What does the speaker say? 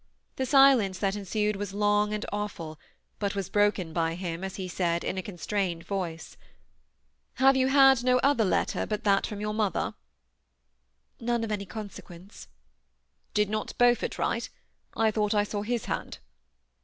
The silence that ensued was long and awful, bnt was broken by him as he said, in a constrained voice, ^ Have you had no oth^ lett^ but that from your moth^ ?"« None of any oonsequence." ^Did not Beaufort write? I thought I saw his hand."